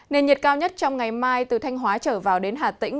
nền nhiệt cao nhất trong ngày mai từ thanh hóa trở vào đến hà tĩnh